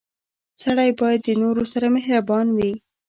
• سړی باید د نورو سره مهربان وي.